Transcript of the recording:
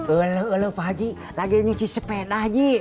eluh eluh pak haji lagi nyuci sepeda haji